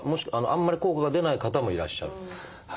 あんまり効果が出ない方もいらっしゃる？